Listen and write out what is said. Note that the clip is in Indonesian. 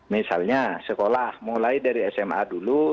misalnya sekolah mulai dari sma dulu